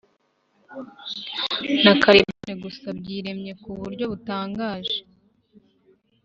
Na carbone gusa byiremye ku buryo butangaje